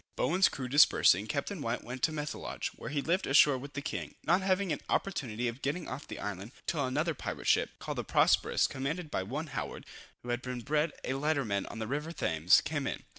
Bowen's crew dispersing, Captain White went to Methelage, where he lived ashore with the king, not having an opportunity of getting off the island, till another pirate ship, called the Prosperous, commanded by one Howard, who had been bred a lighterman on the river Thames, came in.